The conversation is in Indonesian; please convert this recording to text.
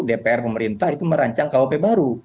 dpr pemerintah itu merancang kuhp baru